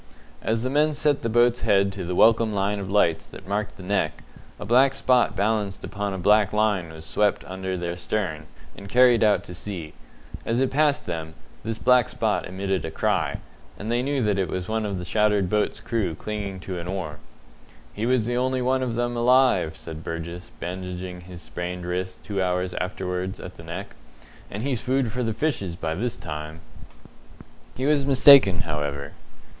As the men set the boat's head to the welcome line of lights that marked the Neck, a black spot balanced upon a black line was swept under their stern and carried out to sea. As it passed them, this black spot emitted a cry, and they knew that it was one of the shattered boat's crew clinging to an oar. "He was the only one of 'em alive," said Burgess, bandaging his sprained wrist two hours afterwards at the Neck, "and he's food for the fishes by this time!" He was mistaken, however.